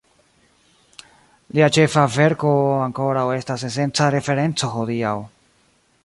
Lia ĉefa verko ankoraŭ estas esenca referenco hodiaŭ.